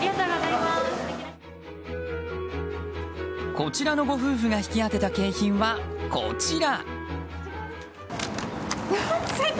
こちらのご夫婦が引き当てた景品は、こちら。